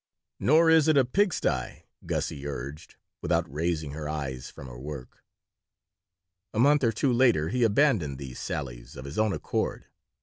"Nor is it a pigsty," Gussie urged, without raising her eyes from her work A month or two later he abandoned these sallies of his own accord.